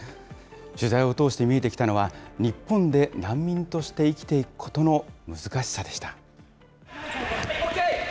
取材を通して見えてきたのは、日本で難民として生きていくことの難しさでした。